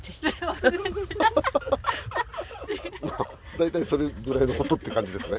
大体それぐらいのことって感じですね。